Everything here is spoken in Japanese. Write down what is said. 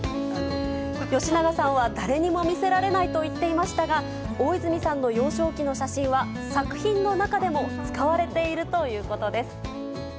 吉永さんは誰にも見せられないと言っていましたが、大泉さんの幼少期の写真は作品の中でも使われているということです。